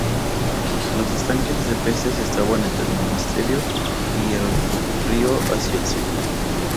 Los estanques de peces estaban entre el monasterio y el río hacia el sur.